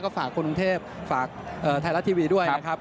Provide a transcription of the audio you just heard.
ฝากกรุงเทพฝากไทยรัฐทีวีด้วยนะครับ